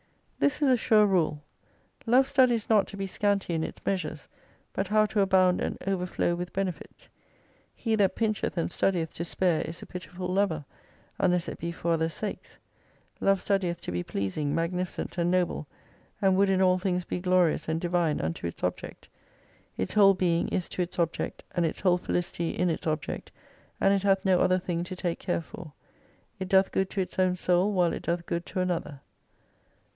This is a sure rule : Love studies not to be scanty in its measures, but how to abound and overflow with benefits. He that pincheth and studieth to spare is a pitiful lover, unless it be for other's sakes* Love studieth to be pleasing, magnificent and noble, and would in all things be glorious and divine unto its object. Its whole being is to its object, and its whole felicity in its object, and it hath no other thing to take care for. It doth good to its own soul while it doth good to another.